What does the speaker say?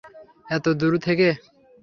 এতো দূর থেকে?